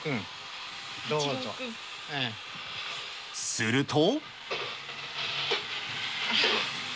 すると。